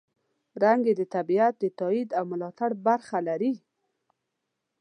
رنګ یې د طبیعت د تاييد او ملاتړ برخه لري.